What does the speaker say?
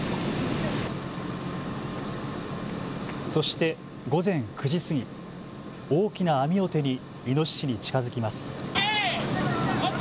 そして午前９時過ぎ、大きな網を手にイノシシに近づきます。